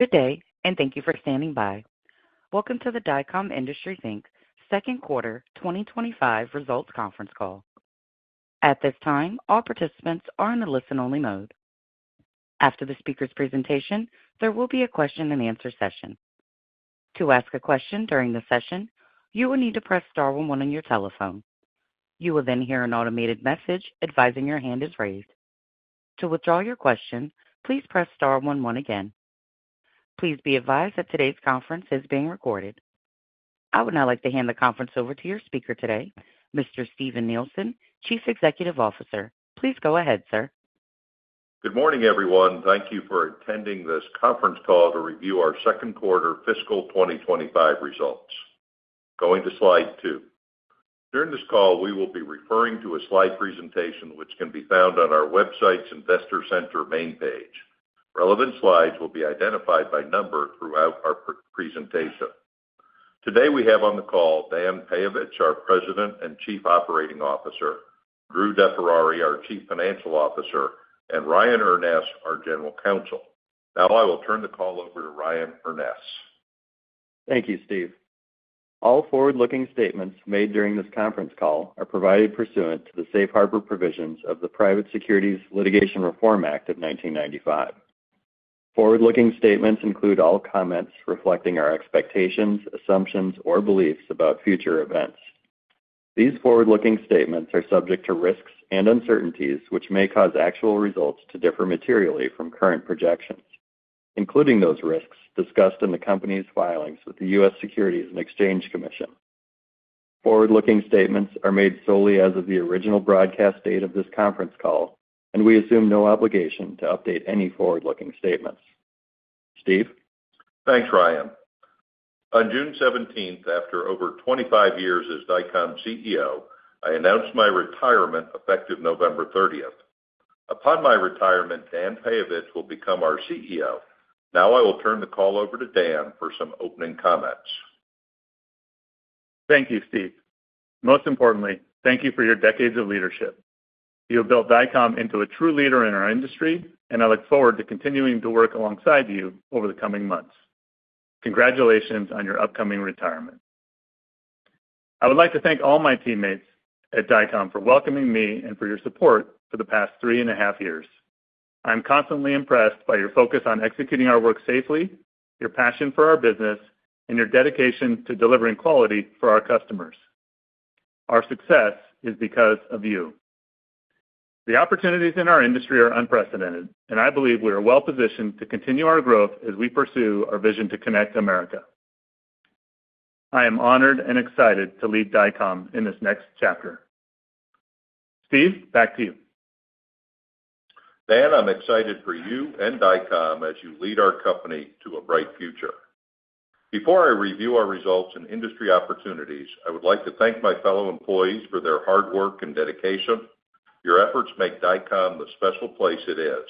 Good day, and thank you for standing by. Welcome to the Dycom Industries Think, Q2 2025 results conference call. At this time, all participants are in a listen-only mode. After the speaker's presentation, there will be a question-and-answer session. To ask a question during the session, you will need to press star one one on your telephone. You will then hear an automated message advising your hand is raised. To withdraw your question, please press star one one again. Please be advised that today's conference is being recorded. I would now like to hand the conference over to your speaker today, Mr. Steven Nielsen, Chief Executive Officer. Please go ahead, sir. Good morning, everyone. Thank you for attending this conference call to review our Q2 fiscal 2025 results. Going to slide 2. During this call, we will be referring to a slide presentation, which can be found on our website's investor center main page. Relevant slides will be identified by number throughout our presentation. Today, we have on the call Dan Peyovich, our President and Chief Operating Officer, Drew DeFerrari, our Chief Financial Officer, and Ryan Urness, our General Counsel. Now, I will turn the call over to Ryan Urness. Thank you, Steve. All forward-looking statements made during this conference call are provided pursuant to the Safe Harbor Provisions of the Private Securities Litigation Reform Act of nineteen ninety-five. Forward-looking statements include all comments reflecting our expectations, assumptions, or beliefs about future events. These forward-looking statements are subject to risks and uncertainties, which may cause actual results to differ materially from current projections, including those risks discussed in the company's filings with the U.S. Securities and Exchange Commission. Forward-looking statements are made solely as of the original broadcast date of this conference call, and we assume no obligation to update any forward-looking statements. Steve? Thanks, Ryan. On June seventeenth, after over 25 years as Dycom CEO, I announced my retirement effective November thirtieth. Upon my retirement, Dan Peyovich will become our CEO. Now, I will turn the call over to Dan for some opening comments. Thank you, Steve. Most importantly, thank you for your decades of leadership. You have built Dycom into a true leader in our industry, and I look forward to continuing to work alongside you over the coming months. Congratulations on your upcoming retirement. I would like to thank all my teammates at Dycom for welcoming me and for your support for the past three and a half years. I'm constantly impressed by your focus on executing our work safely, your passion for our business, and your dedication to delivering quality for our customers. Our success is because of you. The opportunities in our industry are unprecedented, and I believe we are well-positioned to continue our growth as we pursue our vision to connect America. I am honored and excited to lead Dycom in this next chapter. Steve, back to you. Dan, I'm excited for you and Dycom as you lead our company to a bright future. Before I review our results and industry opportunities, I would like to thank my fellow employees for their hard work and dedication. Your efforts make Dycom the special place it is.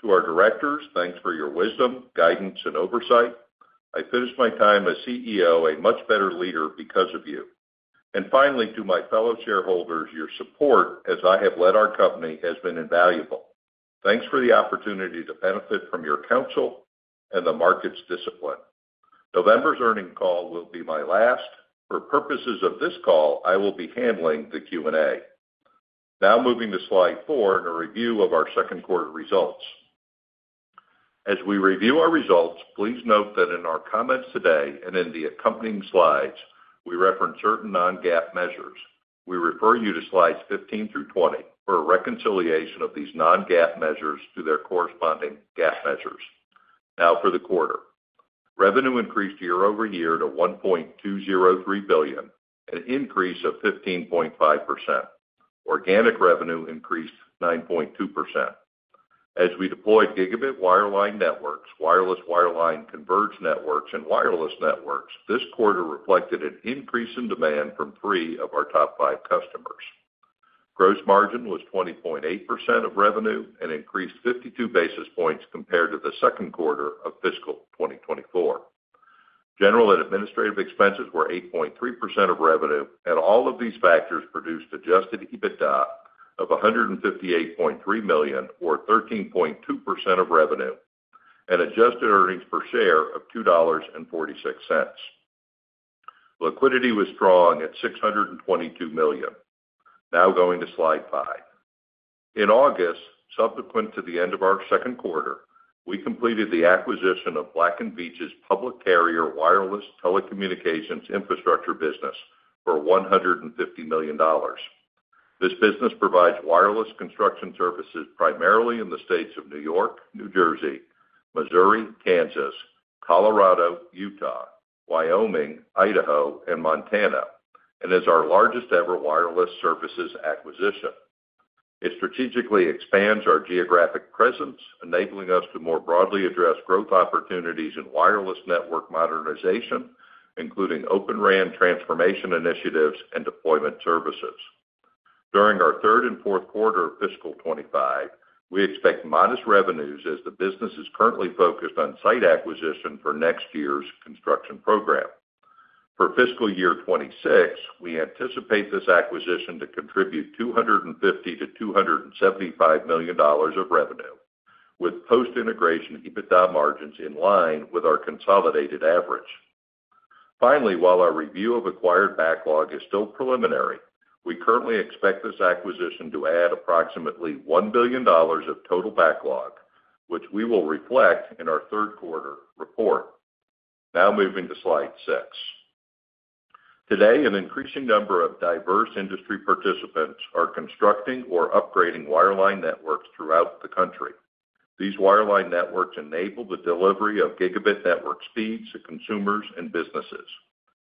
To our directors, thanks for your wisdom, guidance, and oversight. I finish my time as CEO, a much better leader because of you. And finally, to my fellow shareholders, your support, as I have led our company, has been invaluable. Thanks for the opportunity to benefit from your counsel and the market's discipline. November's earnings call will be my last. For purposes of this call, I will be handling the Q&A. Now, moving to slide four and a review of our Q2 results. As we review our results, please note that in our comments today and in the accompanying slides, we reference certain non-GAAP measures. We refer you to slides 15 through 20 for a reconciliation of these non-GAAP measures to their corresponding GAAP measures. Now, for the quarter, revenue increased year over year to $1.203 billion, an increase of 15.5%. Organic revenue increased 9.2%. As we deployed gigabit wireline networks, wireless wireline converged networks, and wireless networks, this quarter reflected an increase in demand from three of our top five customers. Gross margin was 20.8% of revenue and increased 52 basis points compared to the Q2 of fiscal 2024. General and administrative expenses were 8.3% of revenue, and all of these factors produced adjusted EBITDA of $158.3 million, or 13.2% of revenue, and adjusted earnings per share of $2.46. Liquidity was strong at $622 million. Now going to slide five. In August, subsequent to the end of our Q2, we completed the acquisition of Black & Veatch's public carrier wireless telecommunications infrastructure business for $150 million. This business provides wireless construction services primarily in the states of New York, New Jersey, Missouri, Kansas, Colorado, Utah, Wyoming, Idaho, and Montana, and is our largest-ever wireless services acquisition. It strategically expands our geographic presence, enabling us to more broadly address growth opportunities in wireless network modernization, including Open RAN transformation initiatives and deployment services. During our third and Q4 of fiscal 2025, we expect modest revenues as the business is currently focused on site acquisition for next year's construction program. For fiscal year 2026, we anticipate this acquisition to contribute $250-$275 million of revenue, with post-integration EBITDA margins in line with our consolidated average. Finally, while our review of acquired backlog is still preliminary, we currently expect this acquisition to add approximately $1 billion of total backlog, which we will reflect in our Q3 report. Now moving to slide 6. Today, an increasing number of diverse industry participants are constructing or upgrading wireline networks throughout the country. These wireline networks enable the delivery of gigabit network speeds to consumers and businesses.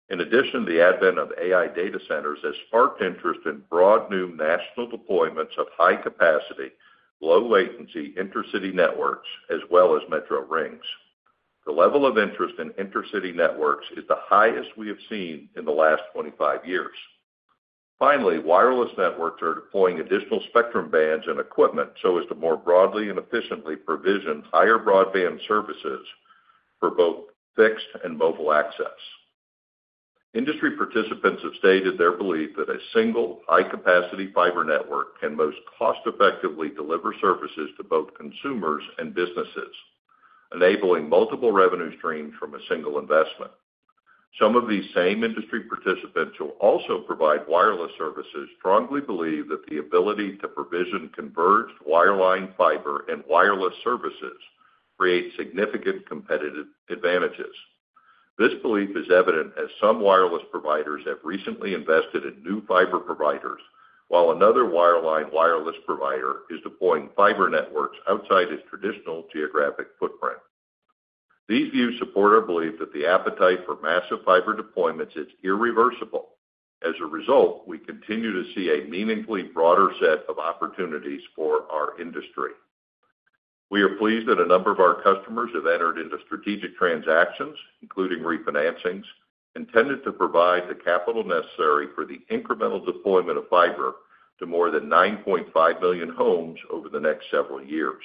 In addition, the advent of AI data centers has sparked interest in broad new national deployments of high-capacity, low-latency intercity networks, as well as metro rings. The level of interest in intercity networks is the highest we have seen in the last 25 years. Finally, wireless networks are deploying additional spectrum bands and equipment so as to more broadly and efficiently provision higher broadband services for both fixed and mobile access. Industry participants have stated their belief that a single high-capacity fiber network can most cost-effectively deliver services to both consumers and businesses, enabling multiple revenue streams from a single investment. Some of these same industry participants, who also provide wireless services, strongly believe that the ability to provision converged wireline, fiber, and wireless services creates significant competitive advantages. This belief is evident as some wireless providers have recently invested in new fiber providers, while another wireline wireless provider is deploying fiber networks outside its traditional geographic footprint. These views support our belief that the appetite for massive fiber deployments is irreversible. As a result, we continue to see a meaningfully broader set of opportunities for our industry. We are pleased that a number of our customers have entered into strategic transactions, including refinancings, intended to provide the capital necessary for the incremental deployment of fiber to more than 9.5 million homes over the next several years.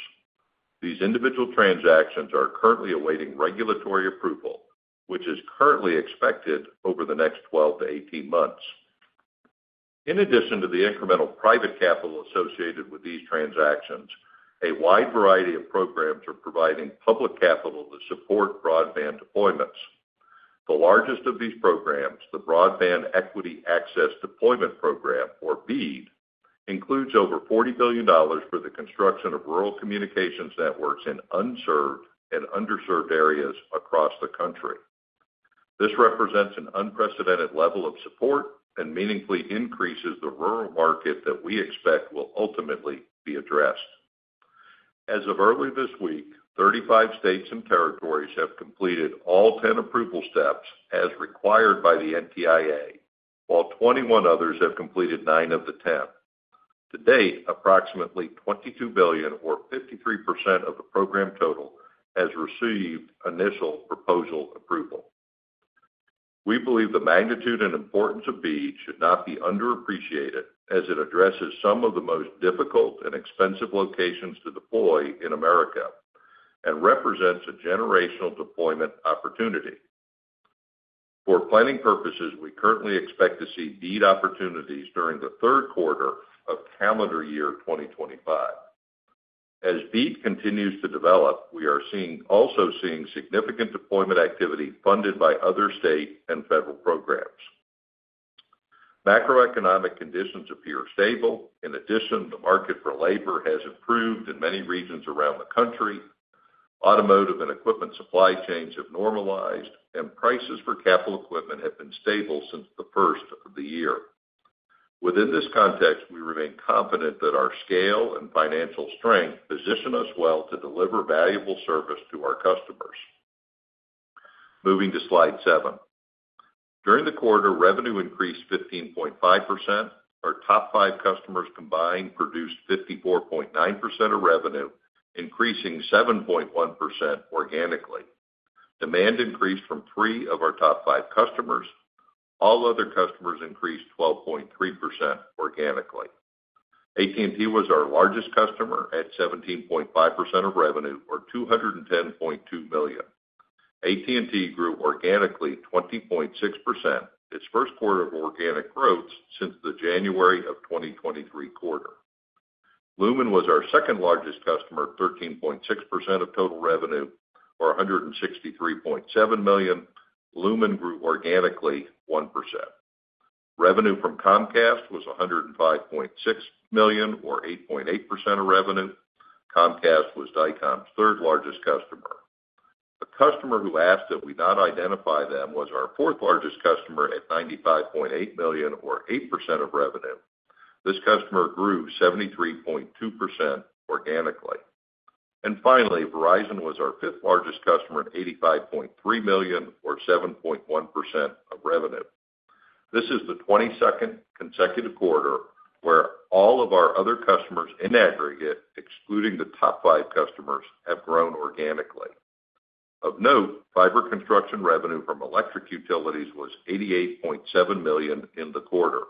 These individual transactions are currently awaiting regulatory approval, which is currently expected over the next 12-18 months. In addition to the incremental private capital associated with these transactions, a wide variety of programs are providing public capital to support broadband deployments. The largest of these programs, the Broadband Equity Access Deployment Program, or BEAD, includes over $40 billion for the construction of rural communications networks in unserved and underserved areas across the country. This represents an unprecedented level of support and meaningfully increases the rural market that we expect will ultimately be addressed. As of early this week, 35 states and territories have completed all 10 approval steps as required by the NTIA, while 21 others have completed nine of the 10. To date, approximately $22 billion, or 53% of the program total, has received initial proposal approval. We believe the magnitude and importance of BEAD should not be underappreciated, as it addresses some of the most difficult and expensive locations to deploy in America, and represents a generational deployment opportunity. For planning purposes, we currently expect to see BEAD opportunities during the Q3 of calendar year 2025. As BEAD continues to develop, we are seeing significant deployment activity funded by other state and federal programs. Macroeconomic conditions appear stable. In addition, the market for labor has improved in many regions around the country, automotive and equipment supply chains have normalized, and prices for capital equipment have been stable since the first of the year. Within this context, we remain confident that our scale and financial strength position us well to deliver valuable service to our customers. Moving to slide 7. During the quarter, revenue increased 15.5%. Our top five customers combined produced 54.9% of revenue, increasing 7.1% organically. Demand increased from three of our top five customers. All other customers increased 12.3% organically. AT&T was our largest customer at 17.5% of revenue, or $210.2 million. AT&T grew organically 20.6%, its Q1 of organic growth since the January 2023 quarter. Lumen was our second-largest customer, at 13.6% of total revenue, or $163.7 million. Lumen grew organically 1%. Revenue from Comcast was $105.6 million, or 8.8% of revenue. Comcast was Dycom's third-largest customer. A customer who asked that we not identify them was our fourth-largest customer, at $95.8 million, or 8% of revenue. This customer grew 73.2% organically. Finally, Verizon was our fifth-largest customer, at $85.3 million, or 7.1% of revenue. This is the 22 consecutive quarter where all of our other customers, in aggregate, excluding the top five customers, have grown organically. Of note, fiber construction revenue from electric utilities was $88.7 million in the quarter.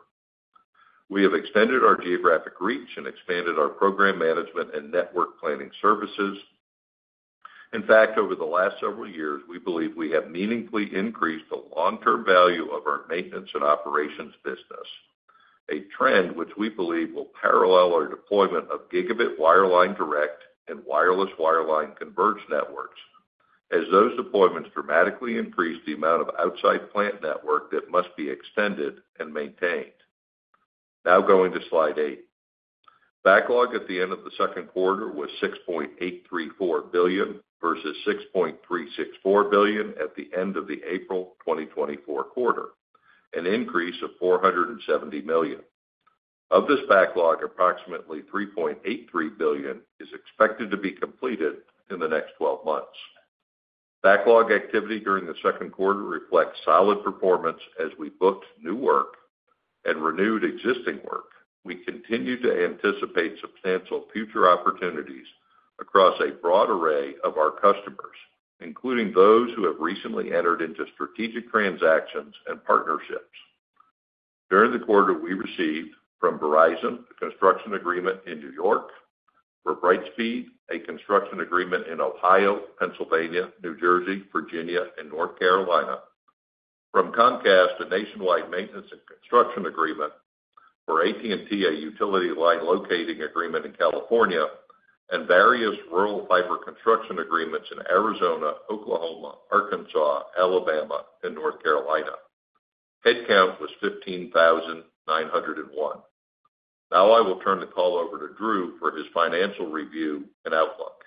We have extended our geographic reach and expanded our program management and network planning services. In fact, over the last several years, we believe we have meaningfully increased the long-term value of our maintenance and operations business, a trend which we believe will parallel our deployment of gigabit wireline direct and wireless wireline converged networks, as those deployments dramatically increase the amount of outside plant network that must be extended and maintained. Now going to Slide eight. Backlog at the end of the Q2 was $6.834 billion versus $6.364 billion at the end of the April 2024 quarter, an increase of $470 million. Of this backlog, approximately $3.83 billion is expected to be completed in the next twelve months. Backlog activity during the Q2 reflects solid performance as we booked new work and renewed existing work. We continue to anticipate substantial future opportunities across a broad array of our customers, including those who have recently entered into strategic transactions and partnerships. During the quarter, we received from Verizon a construction agreement in New York, for Brightspeed a construction agreement in Ohio, Pennsylvania, New Jersey, Virginia, and North Carolina. From Comcast, a nationwide maintenance and construction agreement, for AT&T, a utility line locating agreement in California, and various rural fiber construction agreements in Arizona, Oklahoma, Arkansas, Alabama, and North Carolina. Headcount was fifteen thousand nine hundred and one. Now I will turn the call over to Drew for his financial review and outlook.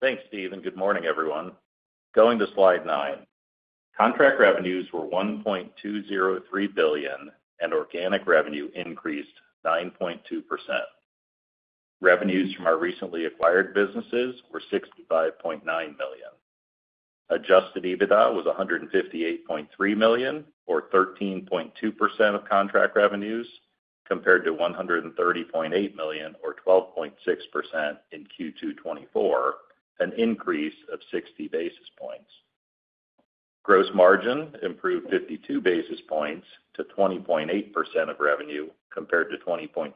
Thanks, Steve, and good morning, everyone. Going to Slide 9. Contract revenues were $1.203 billion, and organic revenue increased 9.2%. Revenues from our recently acquired businesses were $65.9 million. Adjusted EBITDA was $158.3 million, or 13.2% of contract revenues, compared to $130.8 million, or 12.6% in Q2 2024, an increase of 60 basis points. Gross margin improved 52 basis points to 20.8% of revenue, compared to 20.3%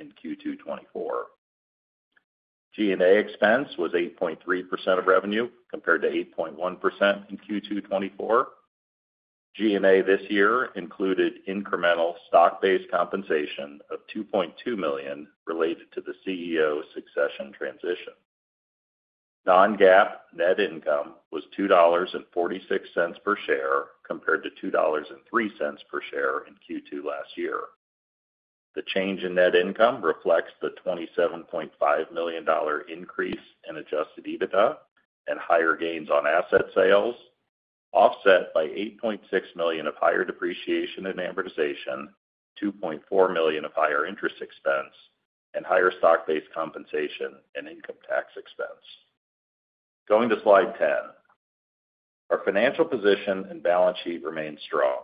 in Q2 2024. G&A expense was 8.3% of revenue, compared to 8.1% in Q2 2024. G&A this year included incremental stock-based compensation of $2.2 million related to the CEO succession transition. Non-GAAP net income was $2.46 per share, compared to $2.03 per share in Q2 last year. The change in net income reflects the $27.5 million increase in Adjusted EBITDA and higher gains on asset sales, offset by $8.6 million of higher depreciation and amortization, $2.4 million of higher interest expense, and higher stock-based compensation and income tax expense. Going to Slide 10. Our financial position and balance sheet remain strong.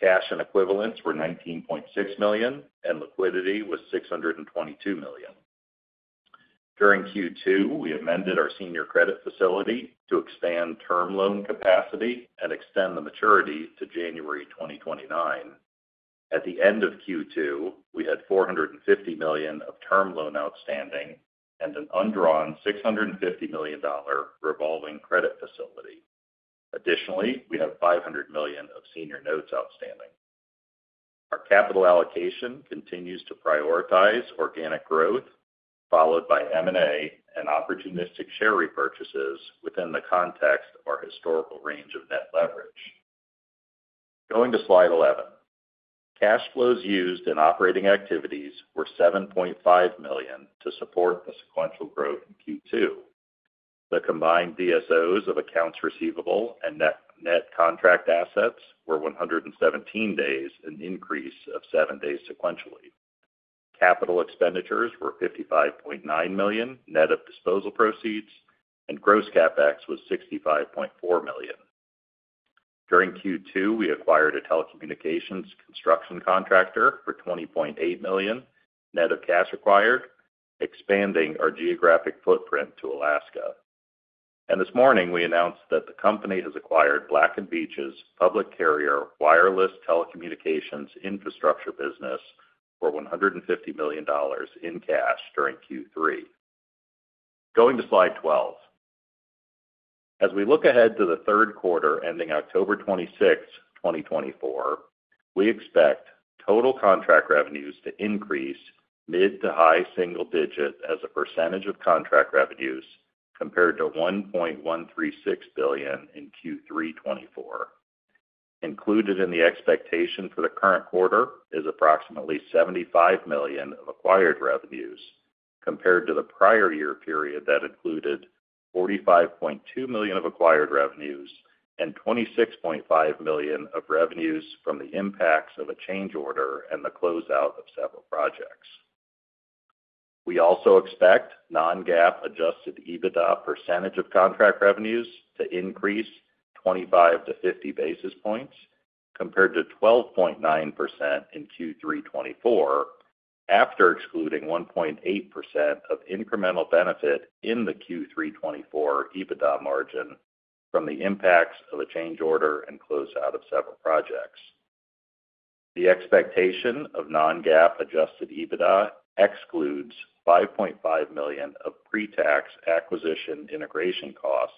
Cash and equivalents were $19.6 million, and liquidity was $622 million. During Q2, we amended our senior credit facility to expand term loan capacity and extend the maturity to January 2029. At the end of Q2, we had $450 million of term loan outstanding and an undrawn $650 million revolving credit facility. Additionally, we have $500 million of senior notes outstanding. Our capital allocation continues to prioritize organic growth, followed by M&A and opportunistic share repurchases within the context of our historical range of net leverage. Going to Slide 11. Cash flows used in operating activities were $7.5 million to support the sequential growth in Q2. The combined DSOs of accounts receivable and net contract assets were 117 days, an increase of seven days sequentially. Capital expenditures were $55.9 million, net of disposal proceeds, and gross CapEx was $65.4 million. During Q2, we acquired a telecommunications construction contractor for $20.8 million, net of cash acquired, expanding our geographic footprint to Alaska. And this morning, we announced that the company has acquired Black & Veatch's public carrier wireless telecommunications infrastructure business for $150 million in cash during Q3. Going to slide 12. As we look ahead to the Q3, ending October 26, 2024, we expect total contract revenues to increase mid- to high-single-digit % of contract revenues compared to $1.136 billion in Q3 2024. Included in the expectation for the current quarter is approximately $75 million of acquired revenues, compared to the prior year period that included $45.2 million of acquired revenues and $26.5 million of revenues from the impacts of a change order and the closeout of several projects. We also expect non-GAAP adjusted EBITDA percentage of contract revenues to increase 25-50 basis points, compared to 12.9% in Q3 2024, after excluding 1.8% of incremental benefit in the Q3 2024 EBITDA margin from the impacts of a change order and closeout of several projects. The expectation of non-GAAP adjusted EBITDA excludes $5.5 million of pre-tax acquisition integration costs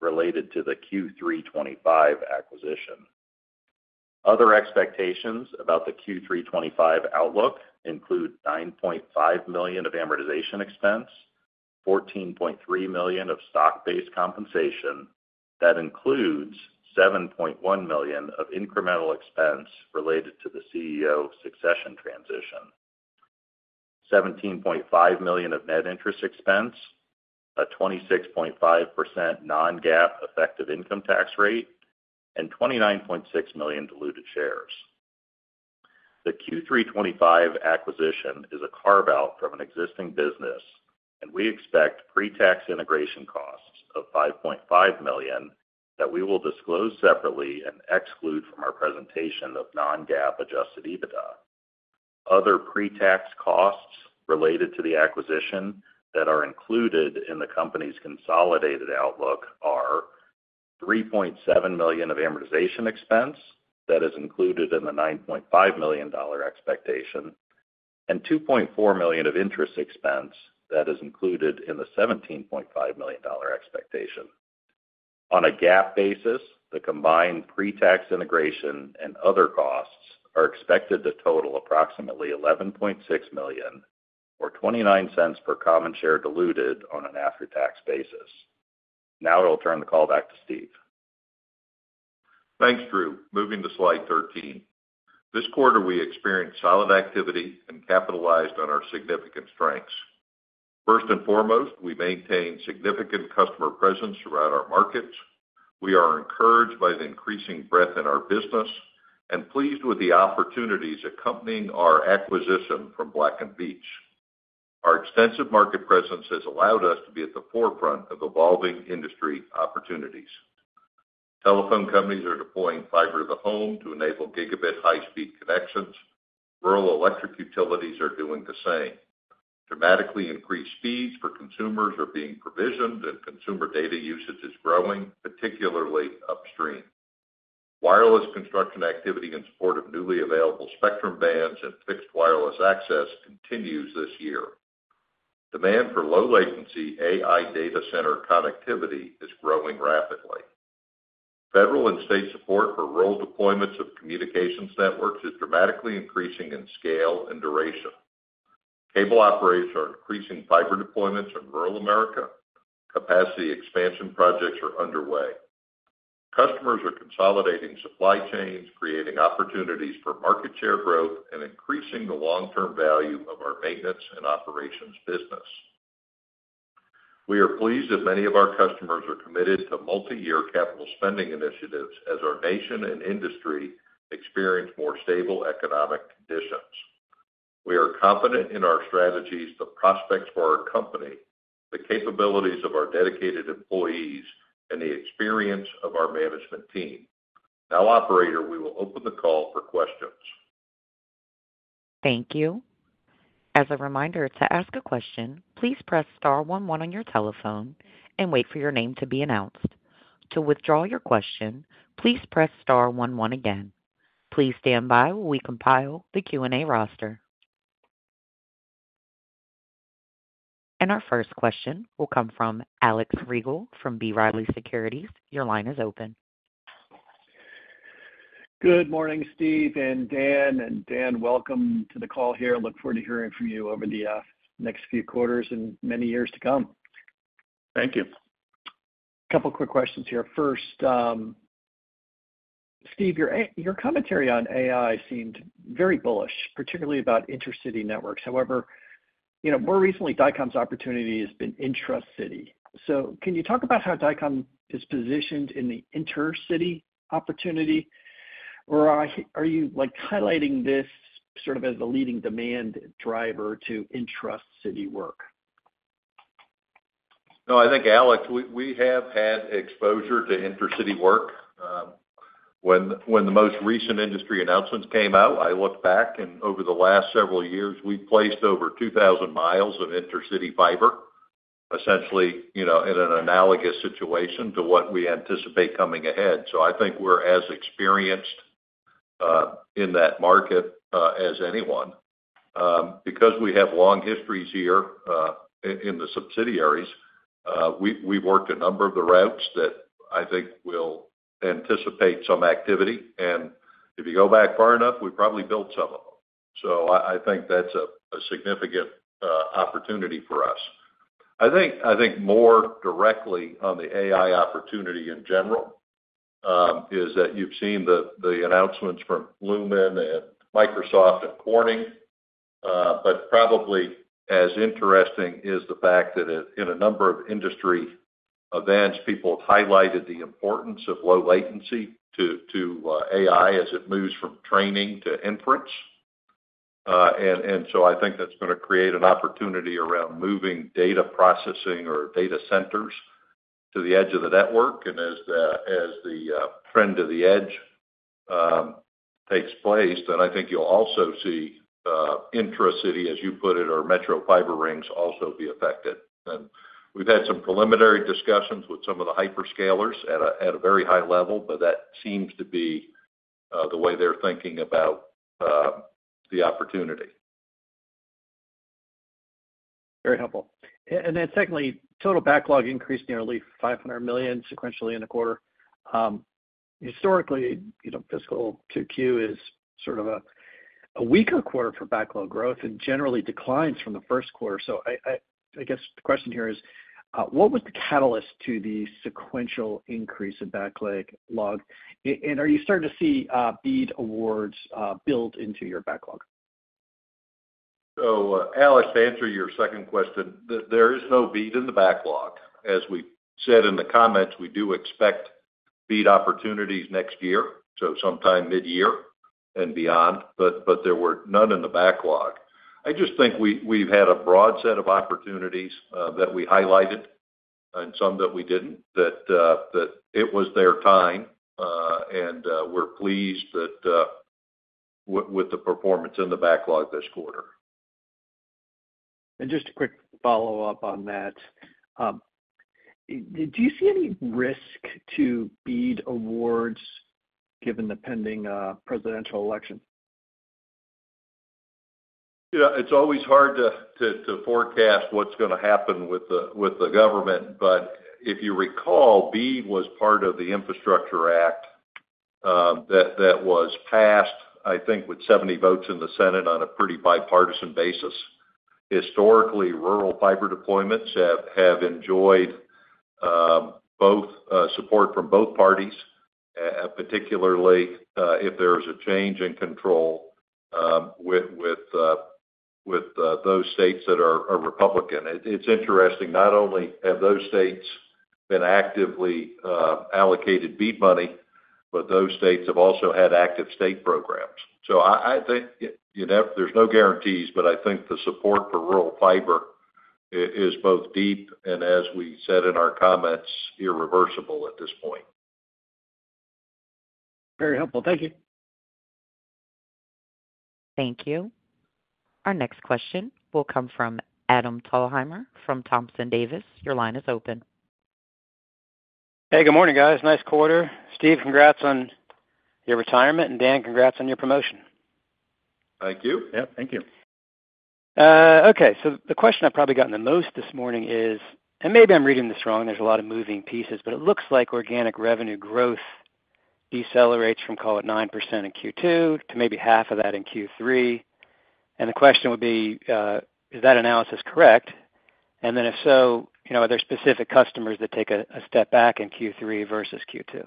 related to the Q3 2025 acquisition. Other expectations about the Q3 2025 outlook include $9.5 million of amortization expense, $14.3 million of stock-based compensation. That includes $7.1 million of incremental expense related to the CEO succession transition. Seventeen point five million of net interest expense, a 26.5% non-GAAP effective income tax rate, and 29.6 million diluted shares. The Q3 2025 acquisition is a carve-out from an existing business, and we expect pre-tax integration costs of $5.5 million that we will disclose separately and exclude from our presentation of non-GAAP adjusted EBITDA. Other pre-tax costs related to the acquisition that are included in the company's consolidated outlook are $3.7 million of amortization expense. That is included in the $9.5 million expectation, and $2.4 million of interest expense that is included in the $17.5 million expectation. On a GAAP basis, the combined pre-tax integration and other costs are expected to total approximately $11.6 million, or $0.29 per common share diluted on an after-tax basis. Now I'll turn the call back to Steve. Thanks, Drew. Moving to slide 13. This quarter, we experienced solid activity and capitalized on our significant strengths. First and foremost, we maintain significant customer presence throughout our markets. We are encouraged by the increasing breadth in our business and pleased with the opportunities accompanying our acquisition from Black & Veatch. Our extensive market presence has allowed us to be at the forefront of evolving industry opportunities. Telephone companies are deploying fiber to the home to enable gigabit high-speed connections. Rural electric utilities are doing the same. Dramatically increased speeds for consumers are being provisioned, and consumer data usage is growing, particularly upstream. Wireless construction activity in support of newly available spectrum bands and fixed wireless access continues this year. Demand for low latency AI data center connectivity is growing rapidly. Federal and state support for rural deployments of communications networks is dramatically increasing in scale and duration. Cable operators are increasing fiber deployments in rural America. Capacity expansion projects are underway. Customers are consolidating supply chains, creating opportunities for market share growth, and increasing the long-term value of our maintenance and operations business. We are pleased that many of our customers are committed to multiyear capital spending initiatives as our nation and industry experience more stable economic conditions. We are confident in our strategies, the prospects for our company, the capabilities of our dedicated employees, and the experience of our management team. Now, operator, we will open the call for questions. Thank you. As a reminder, to ask a question, please press star one, one on your telephone and wait for your name to be announced. To withdraw your question, please press star one, one again. Please stand by while we compile the Q&A roster. And our first question will come from Alex Riegel from B. Riley Securities. Your line is open. Good morning, Steve and Dan, welcome to the call here. Look forward to hearing from you over the next few quarters and many years to come. Thank you. A couple quick questions here. First, Steve, your commentary on AI seemed very bullish, particularly about intercity networks. However, you know, more recently, Dycom's opportunity has been intracity. So can you talk about how Dycom is positioned in the intercity opportunity, or are you, like, highlighting this sort of as the leading demand driver to intracity work? No, I think, Alex, we have had exposure to intercity work. When the most recent industry announcements came out, I looked back, and over the last several years, we've placed over 2,000 miles of intercity fiber, essentially, you know, in an analogous situation to what we anticipate coming ahead. So I think we're as experienced in that market as anyone. Because we have long histories here in the subsidiaries, we've worked a number of the routes that I think will anticipate some activity, and if you go back far enough, we probably built some of them. So I think that's a significant opportunity for us. I think more directly on the AI opportunity in general is that you've seen the announcements from Lumen and Microsoft and Corning. But probably as interesting is the fact that in a number of industry events, people have highlighted the importance of low latency to AI as it moves from training to inference, and so I think that's gonna create an opportunity around moving data processing or data centers to the edge of the network. As the trend to the edge takes place, then I think you'll also see intra-city, as you put it, our metro fiber rings, also be affected. We've had some preliminary discussions with some of the hyperscalers at a very high level, but that seems to be the way they're thinking about the opportunity.... Very helpful. And then secondly, total backlog increased nearly $500 million sequentially in the quarter. Historically, you know, fiscal 2Q is sort of a weaker quarter for backlog growth and generally declines from the Q1. So I guess the question here is, what was the catalyst to the sequential increase in backlog? And are you starting to see BEAD awards build into your backlog? So, Alex, to answer your second question, there is no BEAD in the backlog. As we said in the comments, we do expect BEAD opportunities next year, so sometime mid-year and beyond, but there were none in the backlog. I just think we, we've had a broad set of opportunities that we highlighted and some that we didn't, that it was their time, and we're pleased that with the performance in the backlog this quarter. Just a quick follow-up on that. Do you see any risk to BEAD awards given the pending presidential election? Yeah, it's always hard to forecast what's gonna happen with the government. But if you recall, BEAD was part of the Infrastructure Act that was passed, I think, with seventy votes in the Senate on a pretty bipartisan basis. Historically, rural fiber deployments have enjoyed both support from both parties, particularly if there is a change in control with those states that are Republican. It's interesting, not only have those states been actively allocated BEAD money, but those states have also had active state programs. So I think, you know, there's no guarantees, but I think the support for rural fiber is both deep, and as we said in our comments, irreversible at this point. Very helpful. Thank you. Thank you. Our next question will come from Adam Thalhimer from Thompson Davis. Your line is open. Hey, good morning, guys. Nice quarter. Steve, congrats on your retirement, and Dan, congrats on your promotion. Thank you. Yeah, thank you. Okay, so the question I've probably gotten the most this morning is, and maybe I'm reading this wrong, there's a lot of moving pieces, but it looks like organic revenue growth decelerates from, call it, 9% in Q2 to maybe half of that in Q3. And the question would be, is that analysis correct? And then if so, you know, are there specific customers that take a step back in Q3 versus Q2?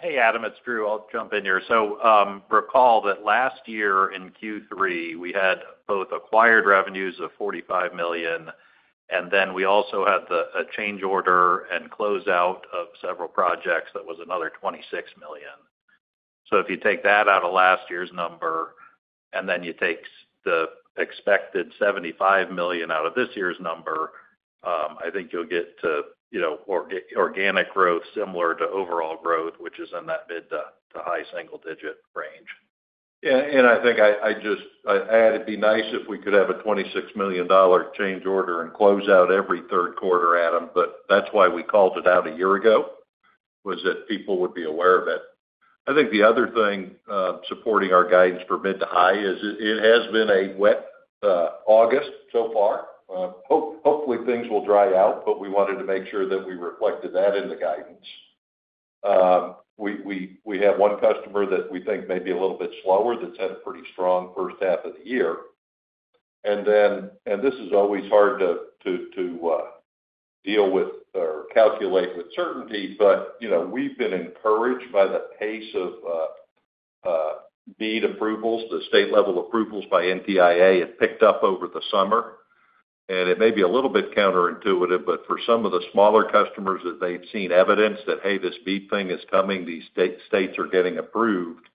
Hey, Adam, it's Drew. I'll jump in here. So, recall that last year in Q3, we had both acquired revenues of $45 million, and then we also had a change order and close out of several projects, that was another $26 million. So if you take that out of last year's number, and then you take the expected $75 million out of this year's number, I think you'll get to, you know, organic growth similar to overall growth, which is in that mid- to high-single-digit range. Yeah, and I think I just. I'd add, it'd be nice if we could have a $26 million change order and close out every Q3, Adam, but that's why we called it out a year ago, was that people would be aware of it. I think the other thing supporting our guidance for mid to high is it has been a wet August so far. Hopefully, things will dry out, but we wanted to make sure that we reflected that in the guidance. We have one customer that we think may be a little bit slower, that's had a pretty strong first half of the year. And then, and this is always hard to deal with or calculate with certainty, but you know, we've been encouraged by the pace of BEAD approvals. The state-level approvals by NTIA have picked up over the summer, and it may be a little bit counterintuitive, but for some of the smaller customers that they've seen evidence that, hey, this BEAD thing is coming, these states are getting approved,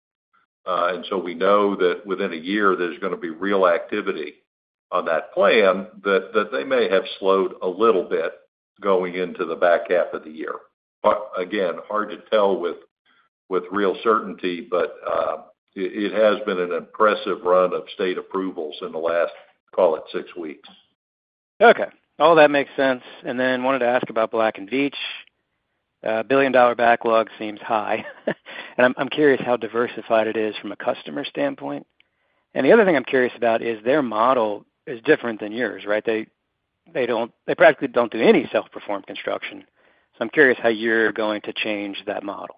and so we know that within a year, there's gonna be real activity on that plan, that they may have slowed a little bit going into the back half of the year. But again, hard to tell with real certainty, but it has been an impressive run of state approvals in the last, call it, six weeks. Okay. All that makes sense. And then wanted to ask about Black & Veatch. A $1 billion backlog seems high, and I'm curious how diversified it is from a customer standpoint. And the other thing I'm curious about is their model is different than yours, right? They don't. They practically don't do any self-performed construction. So I'm curious how you're going to change that model.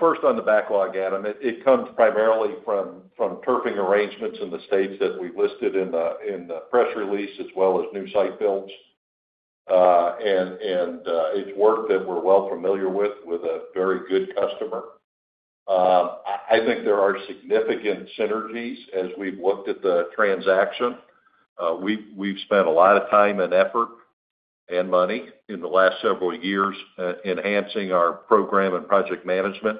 First on the backlog, Adam, it comes primarily from turfing arrangements in the states that we listed in the press release, as well as new site builds. And it's work that we're well familiar with, with a very good customer. I think there are significant synergies as we've looked at the transaction. We've spent a lot of time and effort, and money in the last several years, enhancing our program and project management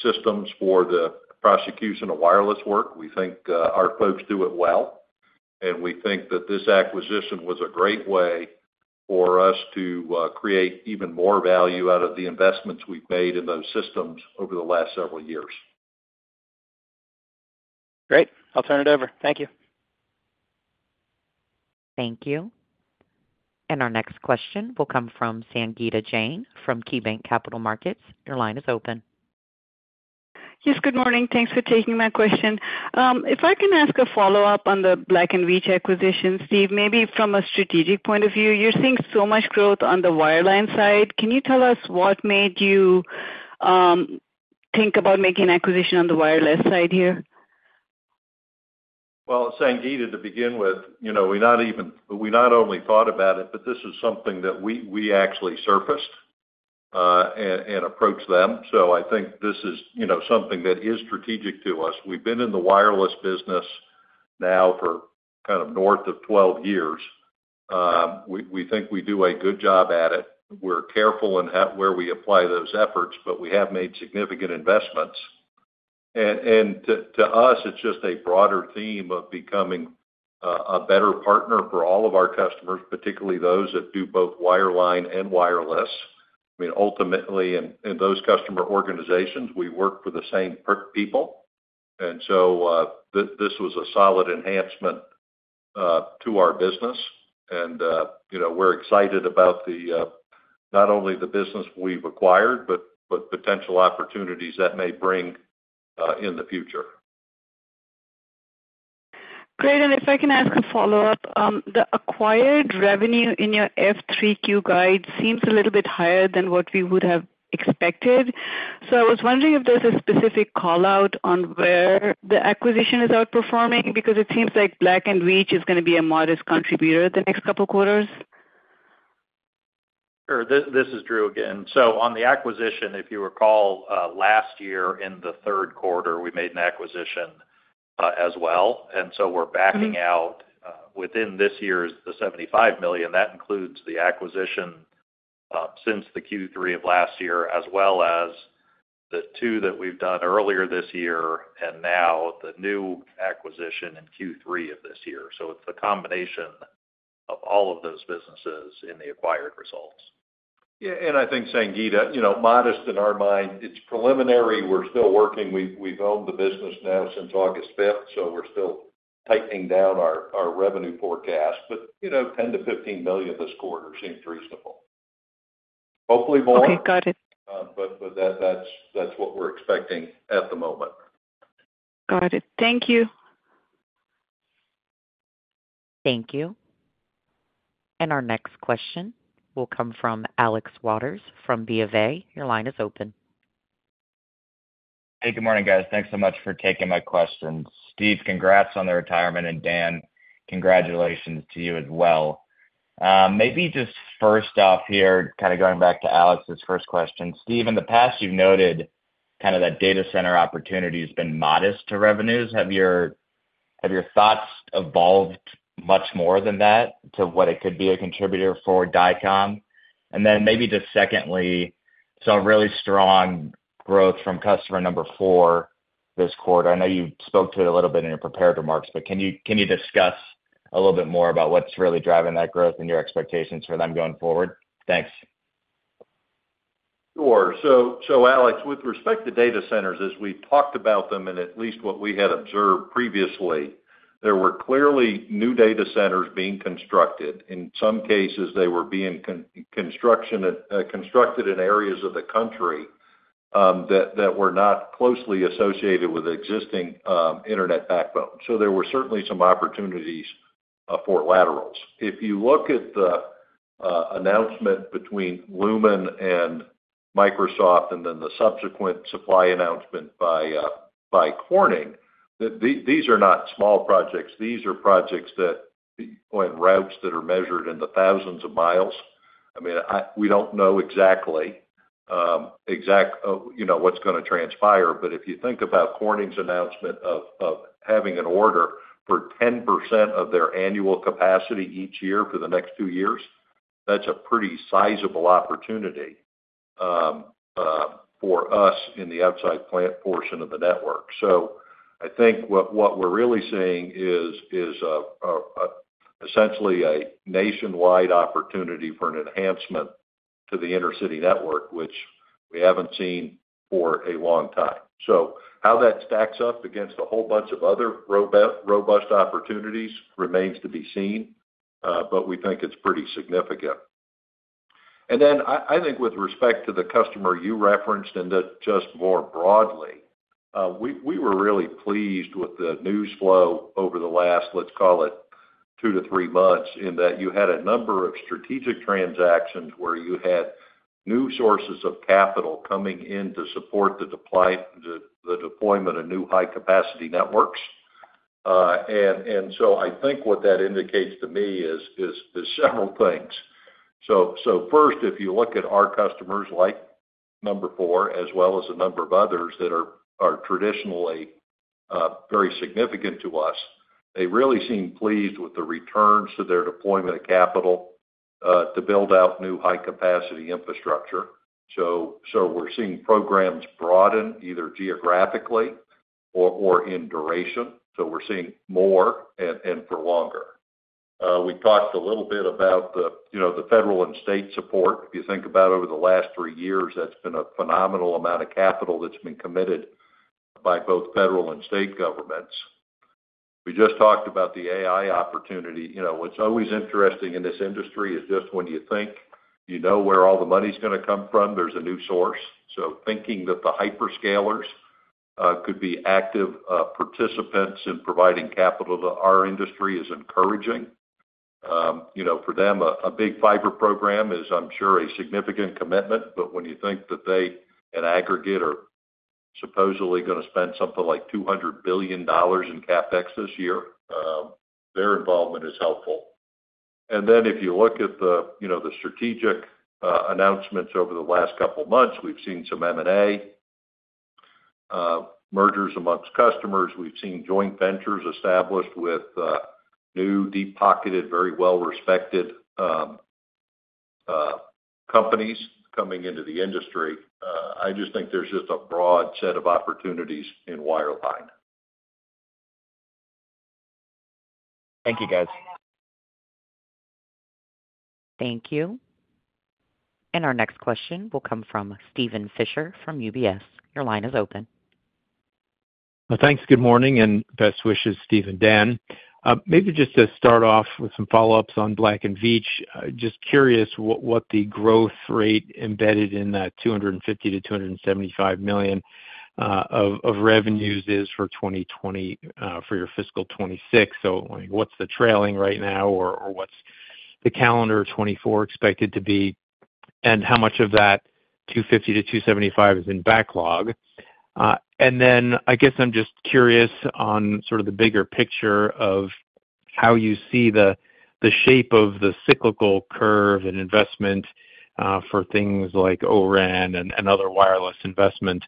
systems for the prosecution of wireless work. We think our folks do it well, and we think that this acquisition was a great way for us to create even more value out of the investments we've made in those systems over the last several years. Great. I'll turn it over. Thank you. Thank you. And our next question will come from Sangeeta Jain from KeyBanc Capital Markets. Your line is open. Yes, good morning. Thanks for taking my question. If I can ask a follow-up on the Black & Veatch acquisition, Steve, maybe from a strategic point of view, you're seeing so much growth on the wireline side. Can you tell us what made you think about making an acquisition on the wireless side here? Sangeeta, to begin with, you know, we not only thought about it, but this is something that we, we actually surfaced and approached them. So I think this is, you know, something that is strategic to us. We've been in the wireless business now for kind of north of twelve years. We think we do a good job at it. We're careful where we apply those efforts, but we have made significant investments. And to us, it's just a broader theme of becoming a better partner for all of our customers, particularly those that do both wireline and wireless. I mean, ultimately, in those customer organizations, we work with the same people, and so this was a solid enhancement to our business. You know, we're excited about not only the business we've acquired, but potential opportunities that may bring in the future. Great, and if I can ask a follow-up. The acquired revenue in your F3Q guide seems a little bit higher than what we would have expected. So I was wondering if there's a specific call-out on where the acquisition is outperforming, because it seems like Black & Veatch is gonna be a modest contributor the next couple of quarters? Sure. This is Drew again. So on the acquisition, if you recall, last year in the Q3, we made an acquisition, as well. And so we're backing out, within this year's, the $75 million, that includes the acquisition, since the Q3 of last year, as well as the two that we've done earlier this year, and now the new acquisition in Q3 of this year. So it's a combination of all of those businesses in the acquired results. Yeah, and I think, Sangeeta, you know, modest in our mind, it's preliminary, we're still working. We've owned the business now since August 5th, so we're still tightening down our revenue forecast. But, you know, $10-15 million this quarter seems reasonable. Hopefully more- Okay, got it.... but that's what we're expecting at the moment. Got it. Thank you. Thank you. And our next question will come from Alex Waters from BofA. Your line is open. Hey, good morning, guys. Thanks so much for taking my questions. Steve, congrats on the retirement, and Dan, congratulations to you as well. Maybe just first off here, kind of going back to Alex's first question. Steve, in the past, you've noted kind of that data center opportunity has been modest to revenues. Have your thoughts evolved much more than that to what it could be a contributor for Dycom? And then maybe just secondly, saw really strong growth from customer number four this quarter. I know you spoke to it a little bit in your prepared remarks, but can you discuss a little bit more about what's really driving that growth and your expectations for them going forward? Thanks. Sure. So, Alex, with respect to data centers, as we've talked about them, and at least what we had observed previously, there were clearly new data centers being constructed. In some cases, they were being constructed in areas of the country that were not closely associated with existing internet backbone. So there were certainly some opportunities for laterals. If you look at the announcement between Lumen and Microsoft, and then the subsequent supply announcement by Corning, these are not small projects. These are projects that, when routes that are measured in the thousands of miles, I mean, we don't know exactly, you know, what's gonna transpire. But if you think about Corning's announcement of having an order for 10% of their annual capacity each year for the next two years, that's a pretty sizable opportunity for us in the outside plant portion of the network. So I think what we're really seeing is essentially a nationwide opportunity for an enhancement to the intracity network, which we haven't seen for a long time. So how that stacks up against a whole bunch of other robust opportunities remains to be seen, but we think it's pretty significant. And then I think with respect to the customer you referenced, and just more broadly, we were really pleased with the news flow over the last, let's call it, two to three months, in that you had a number of strategic transactions where you had new sources of capital coming in to support the deployment of new high-capacity networks. And so I think what that indicates to me is several things. First, if you look at our customers, like number four, as well as a number of others that are traditionally very significant to us, they really seem pleased with the returns to their deployment of capital to build out new high-capacity infrastructure. So we're seeing programs broaden, either geographically or in duration, so we're seeing more and for longer. We talked a little bit about the, you know, the federal and state support. If you think about over the last three years, that's been a phenomenal amount of capital that's been committed by both federal and state governments. We just talked about the AI opportunity. You know, what's always interesting in this industry is just when you think you know where all the money's gonna come from, there's a new source. So thinking that the hyperscalers could be active participants in providing capital to our industry is encouraging. You know, for them, a big fiber program is, I'm sure, a significant commitment, but when you think that they, in aggregate, are supposedly gonna spend something like $200 billion in CapEx this year, their involvement is helpful. And then if you look at the, you know, the strategic announcements over the last couple of months, we've seen some M&A mergers amongst customers. We've seen joint ventures established with new, deep-pocketed, very well-respected companies coming into the industry. I just think there's just a broad set of opportunities in wireline. Thank you, guys. Thank you. And our next question will come from Steven Fisher from UBS. Your line is open. Well, thanks. Good morning and best wishes, Steve and Dan. Maybe just to start off with some follow-ups on Black & Veatch. Just curious what the growth rate embedded in that $250 million-$275 million of revenues is for 2025, for your fiscal 2026. So what's the trailing right now, or what's the calendar 2024 expected to be? And how much of that $250 million-$275 million is in backlog? And then, I guess I'm just curious on sort of the bigger picture of how you see the shape of the cyclical curve and investment for things like O-RAN and other wireless investment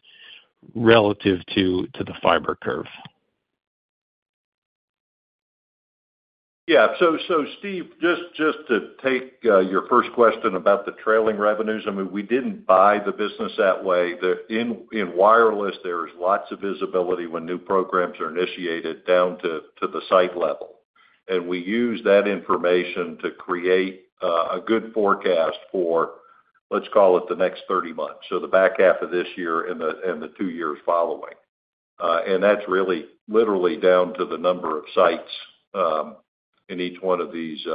relative to the fiber curve. Yeah. So Steve, just to take your first question about the trailing revenues. I mean, we didn't buy the business that way. In wireless, there's lots of visibility when new programs are initiated down to the site level. And we use that information to create a good forecast for, let's call it, the next 30 months, so the back half of this year and the two years following. And that's really literally down to the number of sites in each one of these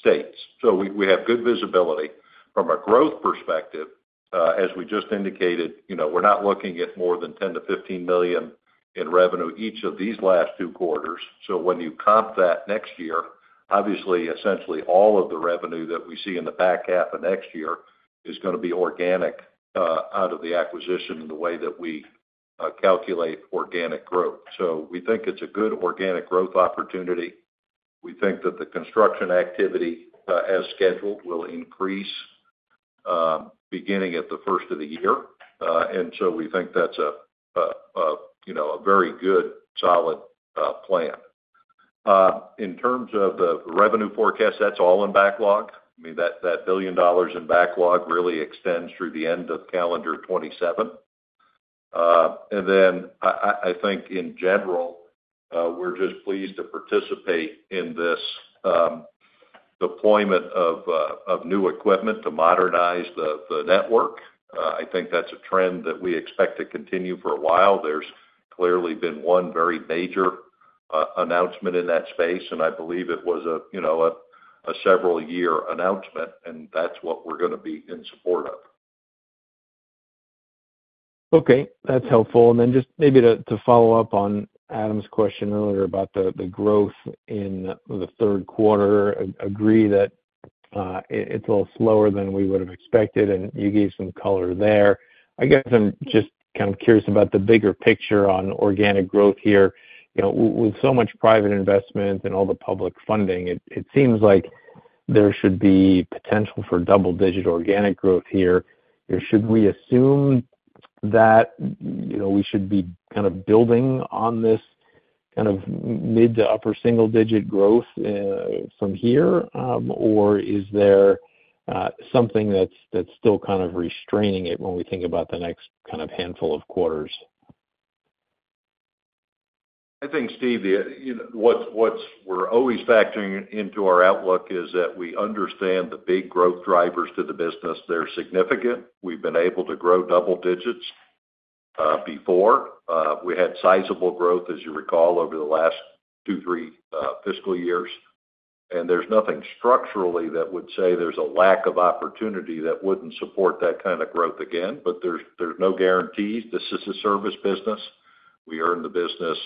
states. So we have good visibility. From a growth perspective, as we just indicated, you know, we're not looking at more than $10-$15 million in revenue each of these last Q2. So when you comp that next year, obviously, essentially all of the revenue that we see in the back half of next year is gonna be organic, out of the acquisition in the way that we calculate organic growth. So we think it's a good organic growth opportunity. We think that the construction activity, as scheduled, will increase, beginning at the first of the year. And so we think that's a you know a very good, solid plan. In terms of the revenue forecast, that's all in backlog. I mean, that $1 billion in backlog really extends through the end of calendar 2027. And then, I think in general, we're just pleased to participate in this deployment of new equipment to modernize the network. I think that's a trend that we expect to continue for a while. There's clearly been one very major announcement in that space, and I believe it was, you know, a several-year announcement, and that's what we're gonna be in support of. Okay, that's helpful. And then just maybe to follow up on Adam's question earlier about the growth in the Q3. I agree that it's a little slower than we would have expected, and you gave some color there. I guess I'm just kind of curious about the bigger picture on organic growth here. You know, with so much private investment and all the public funding, it seems like there should be potential for double-digit organic growth here. Should we assume that, you know, we should be kind of building on this kind of mid to upper single-digit growth from here? Or is there something that's still kind of restraining it when we think about the next kind of handful of quarters? I think, Steve, the, you know, what's, what's we're always factoring into our outlook is that we understand the big growth drivers to the business. They're significant. We've been able to grow double digits before. We had sizable growth, as you recall, over the last two, three fiscal years, and there's nothing structurally that would say there's a lack of opportunity that wouldn't support that kind of growth again. But there's no guarantees. This is a service business. We earn the business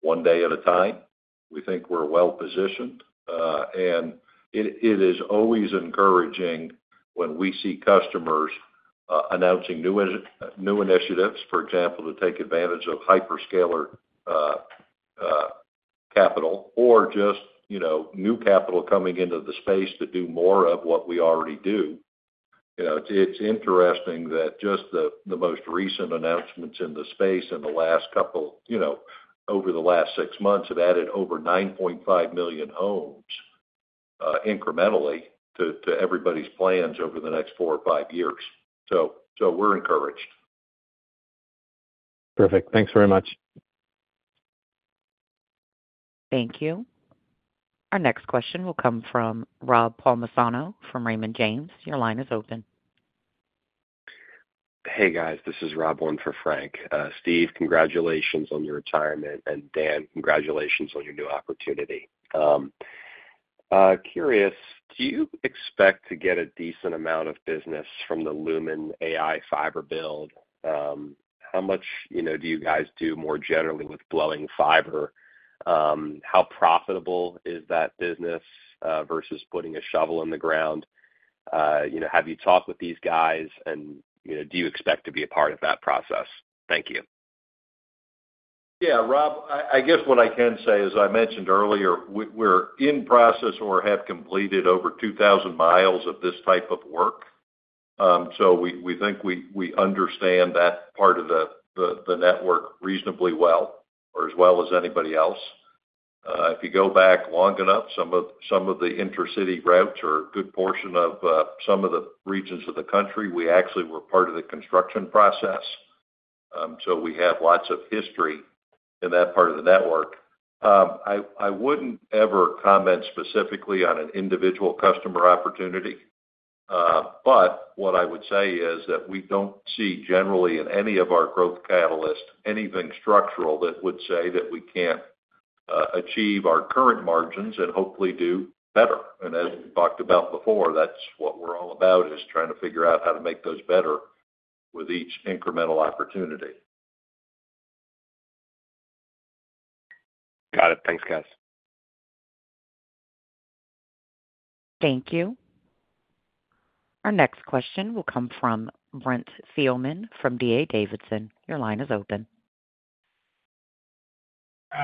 one day at a time. We think we're well-positioned, and it is always encouraging when we see customers announcing new initiatives, for example, to take advantage of hyperscaler capital or just, you know, new capital coming into the space to do more of what we already do. You know, it's interesting that just the most recent announcements in the space in the last couple, you know, over the last six months, have added over nine point five million homes incrementally to everybody's plans over the next four or five years. So we're encouraged. Perfect. Thanks very much. Thank you. Our next question will come from Rob Palmisano from Raymond James. Your line is open. Hey, guys, this is Rob, one for Frank. Steve, congratulations on your retirement, and Dan, congratulations on your new opportunity. Curious, do you expect to get a decent amount of business from the Lumen AI fiber build? How much, you know, do you guys do more generally with blowing fiber? How profitable is that business versus putting a shovel in the ground? You know, have you talked with these guys, and, you know, do you expect to be a part of that process? Thank you. Yeah, Rob, I guess what I can say is, I mentioned earlier, we're in process or have completed over 2,000 miles of this type of work. So we think we understand that part of the network reasonably well or as well as anybody else. If you go back long enough, some of the intracity routes are a good portion of some of the regions of the country. We actually were part of the construction process, so we have lots of history in that part of the network. I wouldn't ever comment specifically on an individual customer opportunity, but what I would say is that we don't see generally in any of our growth catalysts, anything structural that would say that we can't achieve our current margins and hopefully do better. As we talked about before, that's what we're all about, is trying to figure out how to make those better with each incremental opportunity. Got it. Thanks, guys. Thank you. Our next question will come from Brent Thielman from D.A. Davidson. Your line is open.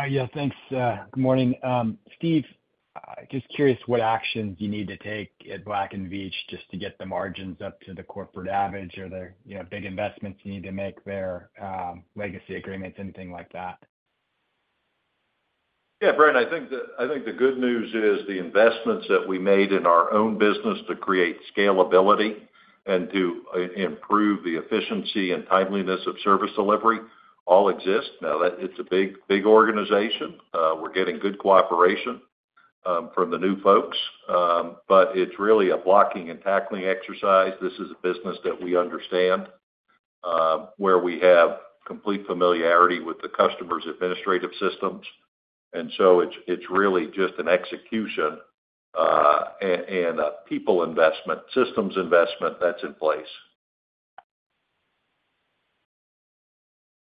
Yeah, thanks. Good morning. Steve, just curious what actions you need to take at Black & Veatch just to get the margins up to the corporate average? Are there, you know, big investments you need to make there, legacy agreements, anything like that? Yeah, Brent, I think the good news is the investments that we made in our own business to create scalability and to improve the efficiency and timeliness of service delivery all exist. Now, it's a big, big organization. We're getting good cooperation from the new folks, but it's really a blocking and tackling exercise. This is a business that we understand, where we have complete familiarity with the customer's administrative systems, and so it's really just an execution and a people investment, systems investment that's in place.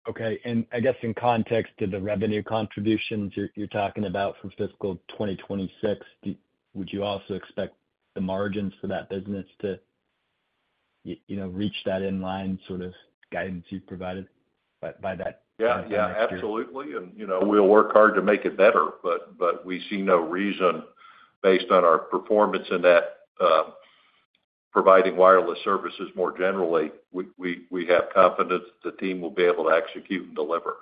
Okay, and I guess in context of the revenue contributions you're talking about for fiscal 2026, would you also expect the margins for that business to you know, reach that in-line sort of guidance you've provided by that time next year? Yeah, yeah, absolutely. You know, we'll work hard to make it better, but we see no reason based on our performance in that, providing wireless services more generally. We have confidence that the team will be able to execute and deliver.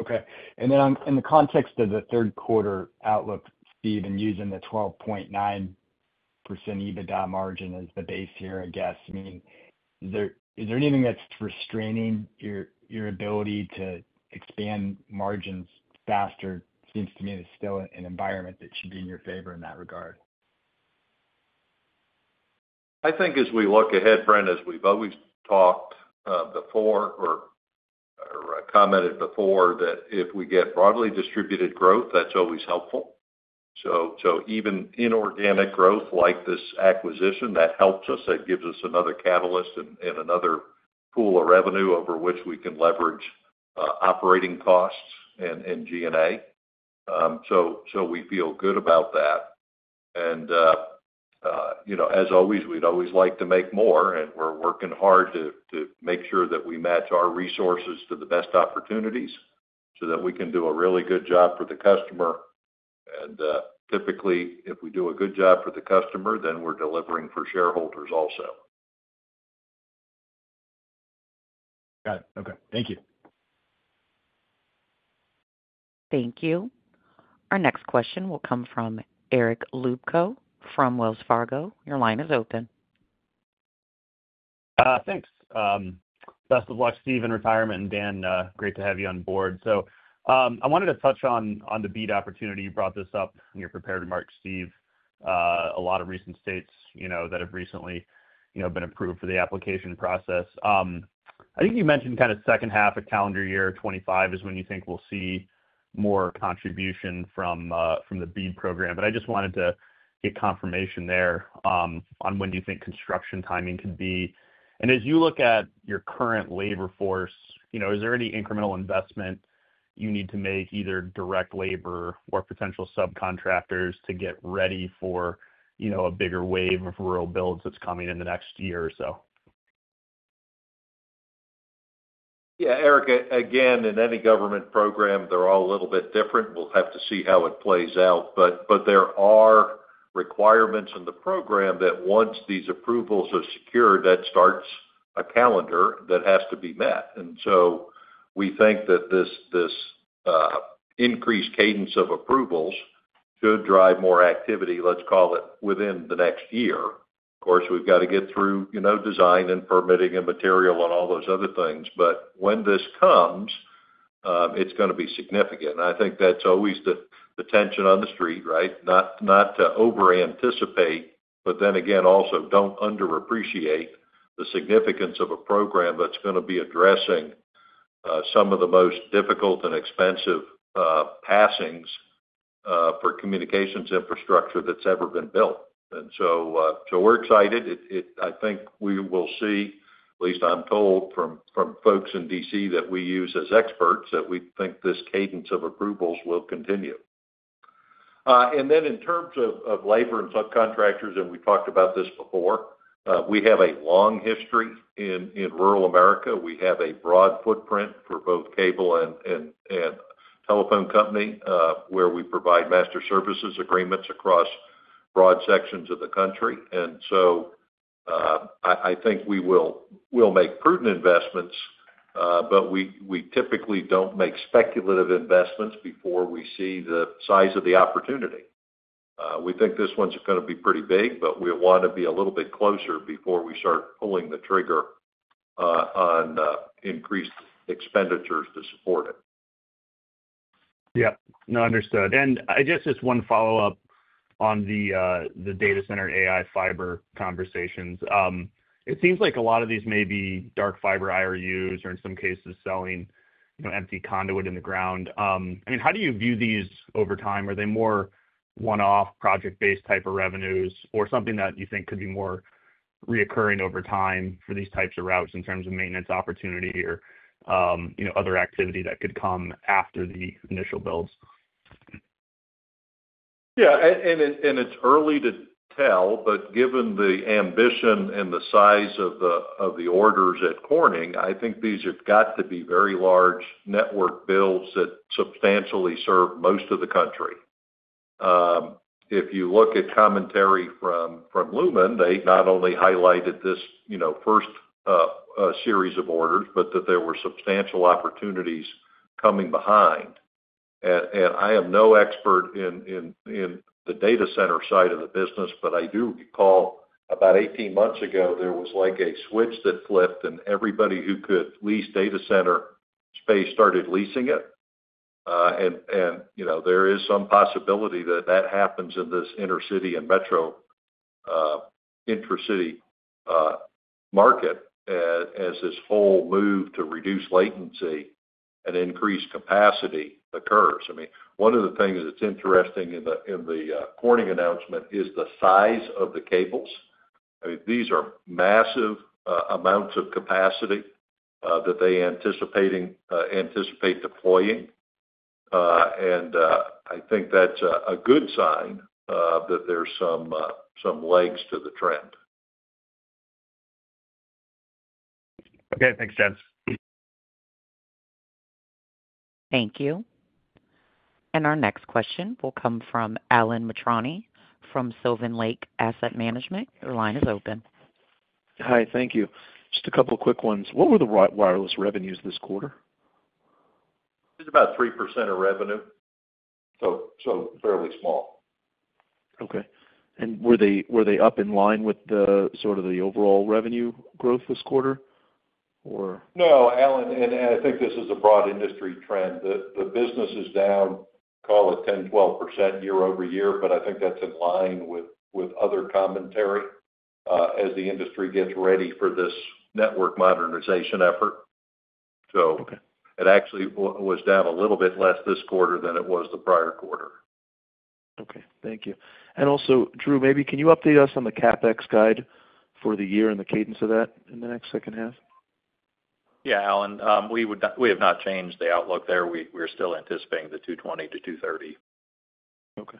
Okay. And then in the context of the Q3 outlook, Steve, and using the 12.9% EBITDA margin as the base here, I guess, I mean, is there anything that's restraining your ability to expand margins faster? Seems to me it's still an environment that should be in your favor in that regard. I think as we look ahead, Brent, as we've always talked before or commented before, that if we get broadly distributed growth, that's always helpful. So even inorganic growth like this acquisition, that helps us, that gives us another catalyst and another pool of revenue over which we can leverage operating costs and G&A. So we feel good about that. And you know, as always, we'd always like to make more, and we're working hard to make sure that we match our resources to the best opportunities so that we can do a really good job for the customer. And typically, if we do a good job for the customer, then we're delivering for shareholders also. Got it. Okay. Thank you. Thank you. Our next question will come from Eric Luebchow from Wells Fargo. Your line is open. Thanks. Best of luck, Steve, in retirement, and Dan, great to have you on board. So, I wanted to touch on the BEAD opportunity. You brought this up in your prepared remarks, Steve. A lot of recent states, you know, that have recently, you know, been approved for the application process. I think you mentioned kind of second half of calendar year 2025 is when you think we'll see more contribution from the BEAD program. But I just wanted to get confirmation there on when do you think construction timing could be. And as you look at your current labor force, you know, is there any incremental investment you need to make, either direct labor or potential subcontractors, to get ready for, you know, a bigger wave of rural builds that's coming in the next year or so? Yeah, Eric, again, in any government program, they're all a little bit different. We'll have to see how it plays out. But there are requirements in the program that once these approvals are secured, that starts a calendar that has to be met. And so we think that this increased cadence of approvals should drive more activity, let's call it, within the next year. Of course, we've got to get through, you know, design and permitting and material and all those other things. But when this comes, it's gonna be significant. I think that's always the tension on the street, right? Not to over-anticipate, but then again, also don't underappreciate the significance of a program that's gonna be addressing some of the most difficult and expensive passings for communications infrastructure that's ever been built. And so we're excited. I think we will see, at least I'm told from folks in DC that we use as experts, that we think this cadence of approvals will continue. And then in terms of labor and subcontractors, and we talked about this before, we have a long history in rural America. We have a broad footprint for both cable and telephone company, where we provide master services agreements across broad sections of the country. And so, I think we'll make prudent investments, but we typically don't make speculative investments before we see the size of the opportunity. We think this one's gonna be pretty big, but we want to be a little bit closer before we start pulling the trigger on increased expenditures to support it. Yep. No, understood, and I guess just one follow-up on the data center AI fiber conversations. It seems like a lot of these may be dark fiber IRUs, or in some cases, selling, you know, empty conduit in the ground. I mean, how do you view these over time? Are they more one-off, project-based type of revenues or something that you think could be more recurring over time for these types of routes in terms of maintenance opportunity or, you know, other activity that could come after the initial builds? Yeah, it's early to tell, but given the ambition and the size of the orders at Corning, I think these have got to be very large network builds that substantially serve most of the country. If you look at commentary from Lumen, they not only highlighted this, you know, first series of orders, but that there were substantial opportunities coming behind. I am no expert in the data center side of the business, but I do recall about eighteen months ago, there was like a switch that flipped, and everybody who could lease data center space started leasing it. You know, there is some possibility that that happens in this intracity market as this whole move to reduce latency and increase capacity occurs. I mean, one of the things that's interesting in the Corning announcement is the size of the cables. I mean, these are massive amounts of capacity that they anticipate deploying. And I think that's a good sign that there's some legs to the trend. Okay, thanks, Steve. Thank you. And our next question will come from Alan Mitrani from Sylvan Lake Asset Management. Your line is open. Hi, thank you. Just a couple of quick ones. What were the wireless revenues this quarter? It's about 3% of revenue, so fairly small. Okay. And were they, were they up in line with the, sort of, the overall revenue growth this quarter, or? No, Alan, and I think this is a broad industry trend. The business is down, call it 10, 12% year over year, but I think that's in line with other commentary, as the industry gets ready for this network modernization effort. Okay. So it actually was down a little bit less this quarter than it was the prior quarter. Okay, thank you. And also, Drew, maybe can you update us on the CapEx guide for the year and the cadence of that in the next second half? Yeah, Alan, we have not changed the outlook there. We're still anticipating the 220 to 230. Okay,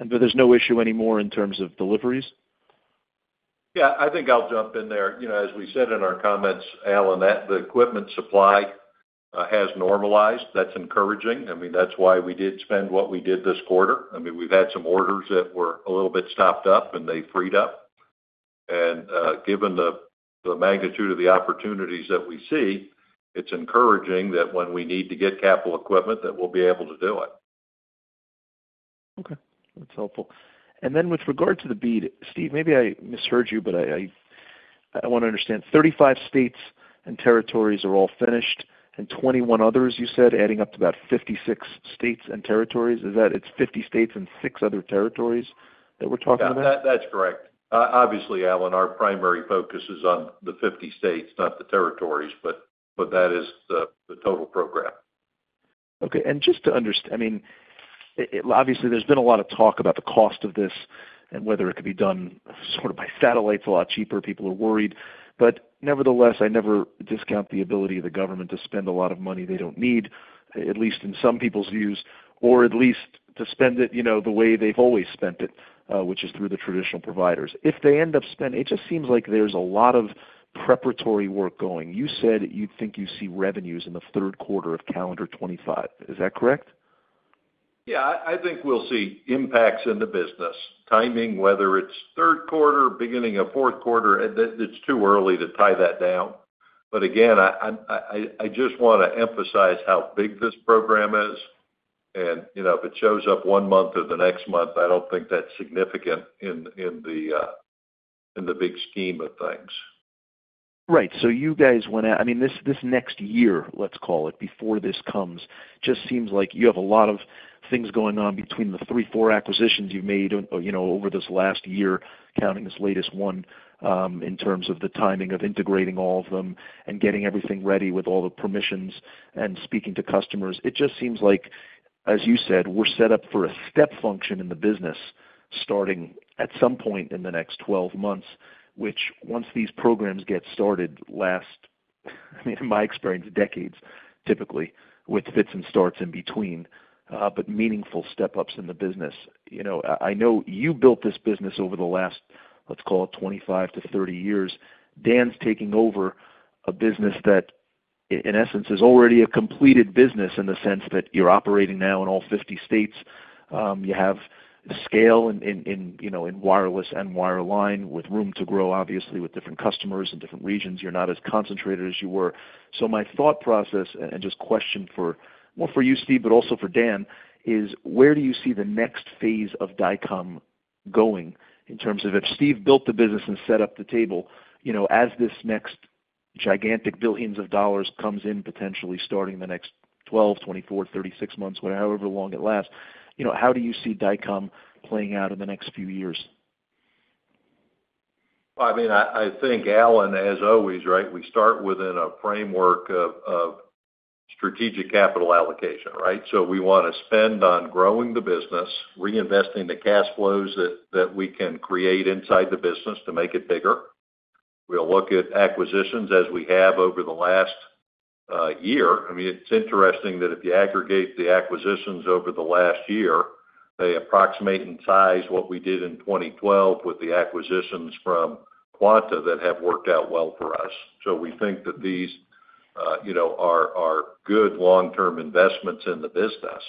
and there's no issue anymore in terms of deliveries? Yeah, I think I'll jump in there. You know, as we said in our comments, Alan, that the equipment supply has normalized. That's encouraging. I mean, that's why we did spend what we did this quarter. I mean, we've had some orders that were a little bit stopped up, and they freed up. And, given the magnitude of the opportunities that we see, it's encouraging that when we need to get capital equipment, that we'll be able to do it. Okay, that's helpful. And then with regard to the BEAD, Steve, maybe I misheard you, but I want to understand.35 states and territories are all finished, and 21 others, you said, adding up to about 56 states and territories. Is that it's 50 states and six other territories that we're talking about? Yeah, that, that's correct. Obviously, Alan, our primary focus is on the fifty states, not the territories, but that is the total program. Okay, and just to—I mean, obviously, there's been a lot of talk about the cost of this and whether it could be done sort of by satellites, a lot cheaper, people are worried. But nevertheless, I never discount the ability of the government to spend a lot of money they don't need, at least in some people's views, or at least to spend it, you know, the way they've always spent it, which is through the traditional providers. If they end up spending, it just seems like there's a lot of preparatory work going. You said you think you see revenues in the Q3 of calendar 2025. Is that correct? Yeah, I think we'll see impacts in the business. Timing, whether it's Q3, beginning of Q4, it's too early to tie that down. But again, I just wanna emphasize how big this program is, and, you know, if it shows up one month or the next month, I don't think that's significant in the big scheme of things. Right. So you guys went out, I mean, this, this next year, let's call it, before this comes, just seems like you have a lot of things going on between the three, four acquisitions you've made, you know, over this last year, counting this latest one, in terms of the timing of integrating all of them and getting everything ready with all the permissions and speaking to customers. It just seems like, as you said, we're set up for a step function in the business, starting at some point in the next twelve months, which once these programs get started, last, in my experience, decades, typically, with fits and starts in between, but meaningful step ups in the business. You know, I know you built this business over the last, let's call it 25to 30 years. Dan's taking over a business that, in essence, is already a completed business in the sense that you're operating now in all fifty states. You have scale in, you know, in wireless and wireline, with room to grow, obviously, with different customers in different regions. You're not as concentrated as you were. So my thought process, and just question for, well, for you, Steve, but also for Dan, is where do you see the next phase of Dycom going in terms of if Steve built the business and set up the table, you know, as this next gigantic billions of dollars comes in, potentially starting the next 12, 24, 36 months, whatever, however long it lasts, you know, how do you see Dycom playing out in the next few years? I mean, I think, Alan, as always, right, we start within a framework of strategic capital allocation, right? So we wanna spend on growing the business, reinvesting the cash flows that we can create inside the business to make it bigger. We'll look at acquisitions as we have over the last year. I mean, it's interesting that if you aggregate the acquisitions over the last year, they approximate in size what we did in 2012 with the acquisitions from Quanta that have worked out well for us. So we think that these you know are good long-term investments in the business.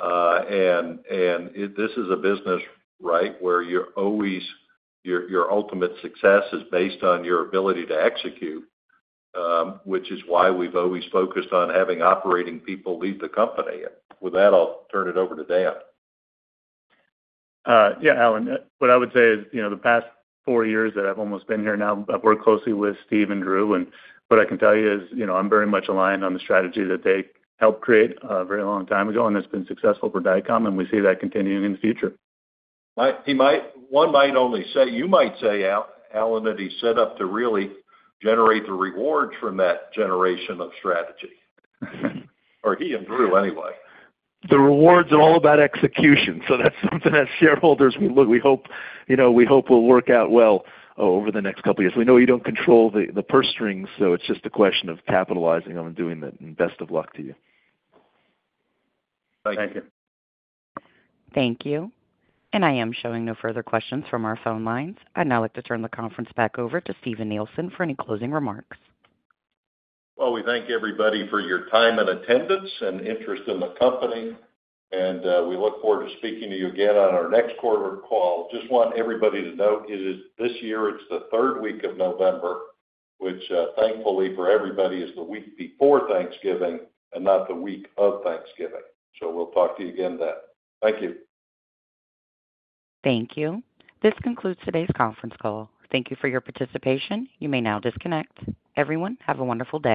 And this is a business, right, where you're always, your ultimate success is based on your ability to execute, which is why we've always focused on having operating people lead the company. With that, I'll turn it over to Dan. Yeah, Alan, what I would say is, you know, the past four years that I've almost been here now, I've worked closely with Steve and Drew, and what I can tell you is, you know, I'm very much aligned on the strategy that they helped create a very long time ago, and it's been successful for Dycom, and we see that continuing in the future. One might only say, you might say, Alan, that he's set up to really generate the rewards from that generation of strategy. Or he and Drew, anyway. The rewards are all about execution, so that's something as shareholders, we look, we hope, you know, we hope will work out well over the next couple of years. We know you don't control the purse strings, so it's just a question of capitalizing on doing that, and best of luck to you. Thank you. Thank you. Thank you. And I am showing no further questions from our phone lines. I'd now like to turn the conference back over to Steven Nielsen for any closing remarks. We thank everybody for your time and attendance and interest in the company, and we look forward to speaking to you again on our next quarter call. Just want everybody to note, it is, this year, it's the third week of November, which, thankfully for everybody, is the week before Thanksgiving and not the week of Thanksgiving. So we'll talk to you again then. Thank you. Thank you. This concludes today's conference call. Thank you for your participation. You may now disconnect. Everyone, have a wonderful day.